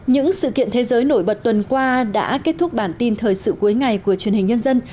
những sự kiện thế giới nổi bật tuần qua đã kết thúc bản tin thời sự cuối ngày của truyền hình nhân dân